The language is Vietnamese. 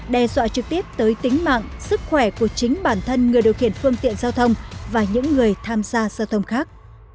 đe dọa trực tiếp tới tính mạng sức khỏe của chính bản thân người điều khiển phương tiện giao thông và những người tham gia giao thông khác